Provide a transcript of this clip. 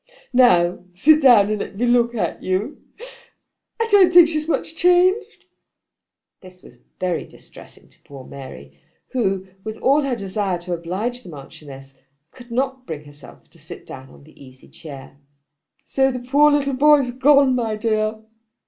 "Now sit down, and let me look at you. I don't think she's much changed." This was very distressing to poor Mary, who, with all her desire to oblige the Marchioness could not bring herself to sit down in the easy chair. "So that poor little boy has gone, my dear?"